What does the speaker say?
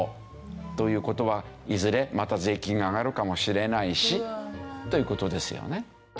という事はいずれまた税金が上がるかもしれないしという事ですよね。